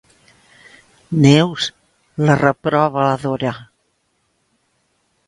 Neus —la reprova la Dora.